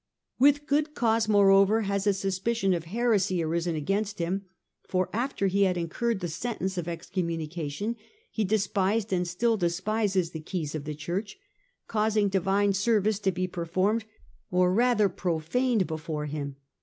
" With good cause, moreover, has a suspicion of heresy arisen against him, for after he had incurred the sentence of excommunication he despised and still despises the keys of the Church, causing divine service to be per formed, or rather profaned, before him.